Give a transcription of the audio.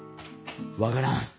分からん。